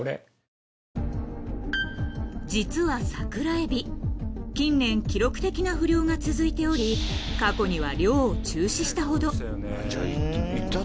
［実はサクラエビ近年記録的な不漁が続いており過去には漁を中止したほど］